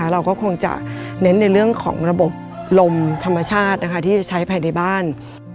เราก็คงจะเน้นในเรื่องของระบบลมธรรมชาติที่จะใช้ภายในบ้าน